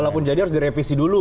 kalau pun jadi harus direvisi dulu